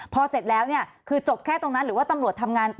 พอเสร็จแล้วเนี่ยคือจบแค่ตรงนั้นหรือว่าตำรวจทำงาน